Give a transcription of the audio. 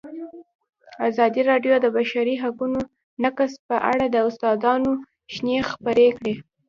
ازادي راډیو د د بشري حقونو نقض په اړه د استادانو شننې خپرې کړي.